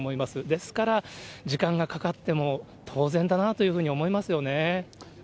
ですから、時間がかかっても当然だなというふうに思いますよね。